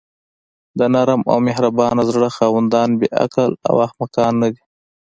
د نرم او مهربانه زړه خاوندان بې عقله او احمقان ندي.